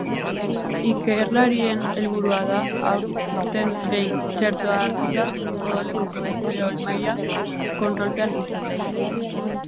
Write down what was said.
Ikerlarien helburua da, urten behin txertoa hartuta, odoleko kolesterol-maila kontrolpean izatea.